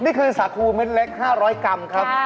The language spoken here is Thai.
นี่คือสาคูเม็ดเล็ก๕๐๐กรัมครับ